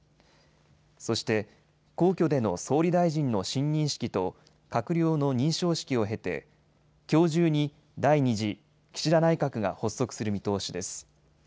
そして、皇居での総理大臣の親任式と閣僚の認証式を経てきょう中に第２次岸田内閣が発足する見通しです。